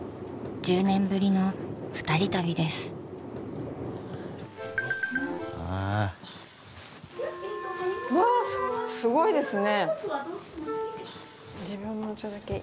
１０年ぶりの２人旅ですわすごいですね！